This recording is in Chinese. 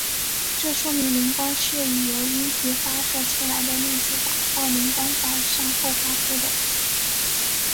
这说明磷光是由阴极发射出来的粒子打到磷光板上后发出的。